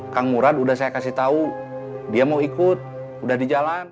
kang murad udah saya kasih tahu dia mau ikut udah di jalan